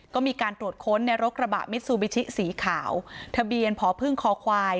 ก็มีการตรวจค้นในรถกระบะมิซูบิชิสีขาวทะเบียนผอพึ่งคอควาย